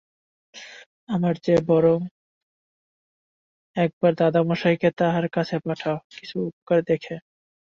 তাহার চেয়ে বরং একবার দাদামহাশয়কে তাঁহার কাছে পাঠাও, যদি কিছু উপকার দেখে।